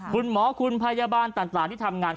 คุณหมอคุณพยาบาลต่างที่ทำงาน